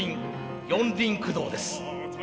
四輪駆動です。